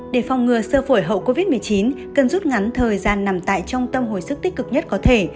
để phòng ngừa sơ phổi hậu covid một mươi chín cần rút ngắn thời gian nằm tại trung tâm hồi sức tích cực nhất có thể